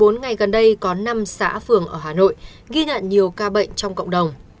trong một mươi bốn ngày gần đây có năm xã phường ở hà nội ghi nhận nhiều ca bệnh trong cộng đồng